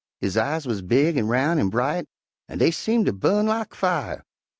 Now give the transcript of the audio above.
His eyes wuz big an' roun' an' bright, an' dey seemed ter bu'n lak fire.